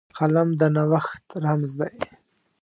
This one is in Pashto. قلم د نوښت رمز دی